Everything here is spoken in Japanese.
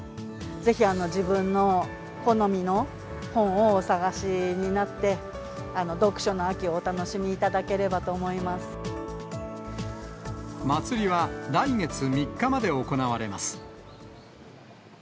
ぜひ自分の好みの本をお探しになって、読書の秋をお楽しみいただまつりは来月３日まで行われます。